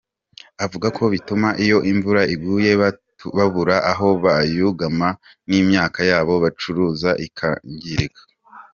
Avuga ko bituma iyo imvura iguye babura aho bayugamana n’imyaka yabo bacuruza ikangirika.